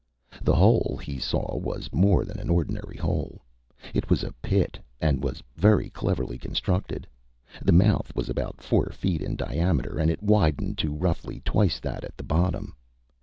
The hole, he saw, was more than an ordinary hole. It was a pit and very cleverly constructed. The mouth was about four feet in diameter and it widened to roughly twice that at the bottom.